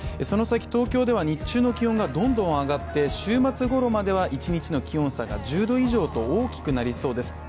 その先、東京では日中の気温がどんどん上がって週末ごろまでは一日の気温差が１０度以上と大きくなりそうです。